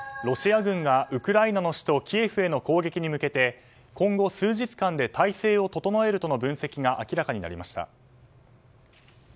ロシア軍がウクライナの首都キエフへの攻撃に向けて今後数日間で体制を整えるとの分析が明らかになりました。